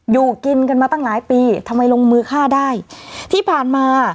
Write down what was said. อยู่กินกันมาตั้งหลายปีทำไมลงมือฆ่าได้ที่ผ่านมา